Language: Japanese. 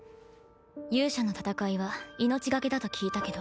勇者の戦いは命懸けだと聞いたけど。